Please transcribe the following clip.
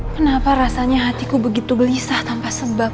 kenapa rasanya hatiku begitu gelisah tanpa sebab